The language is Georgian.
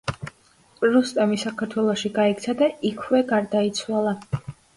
რუსტემი საქართველოში გაიქცა და იქვე გარდაიცვალა.